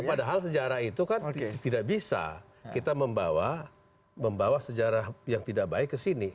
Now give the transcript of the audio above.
padahal sejarah itu kan tidak bisa kita membawa sejarah yang tidak baik ke sini